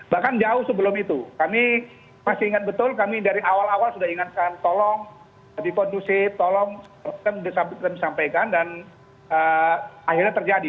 bahkan jauh sebelum itu kami masih ingat betul kami dari awal awal sudah ingatkan tolong lebih kondusif tolong kami sampaikan dan akhirnya terjadi